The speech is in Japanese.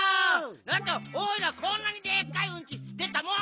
なんとおいらこんなにでっかいうんちでたもん！